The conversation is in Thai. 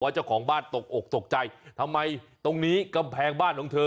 เจ้าของบ้านตกอกตกใจทำไมตรงนี้กำแพงบ้านของเธอ